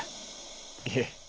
いえ。